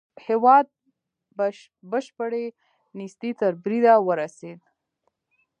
هېواد بشپړې نېستۍ تر بريده ورسېد.